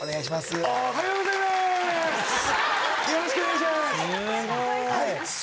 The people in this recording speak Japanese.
よろしくお願いします。